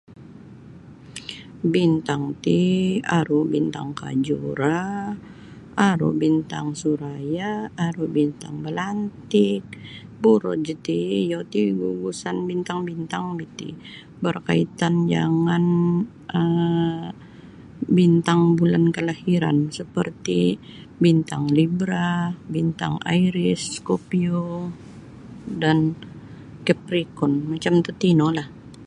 Bintang ti aru bintang kajura aru bintang suraya aru bintang belantik buruj ti iyo ti gugusan bintang-bintang bi ti berkaitan um jangan um bintang bulan kalahiran seperti bintang Libra bintang Iris Skopio dan Kaprikon macam tatino lah